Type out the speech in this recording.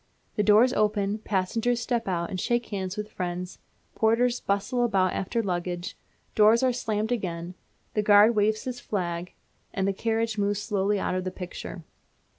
The doors open, passengers step out and shake hands with friends, porters bustle about after luggage, doors are slammed again, the guard waves his flag, and the carriages move slowly out of the picture.